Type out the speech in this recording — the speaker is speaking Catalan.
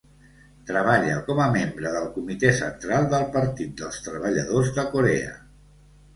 Treballa com a membre del Comitè Central del Partit dels Treballadors de Corea.